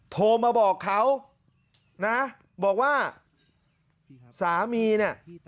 โทรมาบอกเขานะบอกว่าสามีเนี่ย